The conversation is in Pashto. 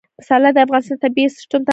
پسرلی د افغانستان د طبعي سیسټم توازن ساتي.